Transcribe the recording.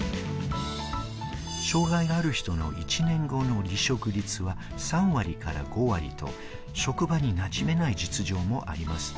障害がある人の１年後の離職率は３割５割と、職場に馴染めない実情もあります。